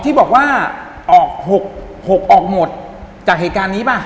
ที่บอกว่าออก๖๖ออกหมดจากเหตุการณ์นี้ป่ะ